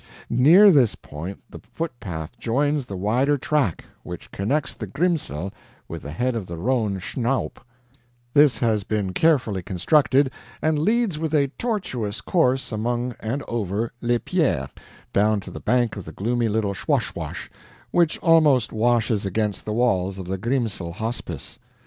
Near this point the footpath joins the wider track, which connects the Grimsel with the head of the Rhone SCHNAWP; this has been carefully constructed, and leads with a tortuous course among and over LES PIERRES, down to the bank of the gloomy little SWOSH SWOSH, which almost washes against the walls of the Grimsel Hospice.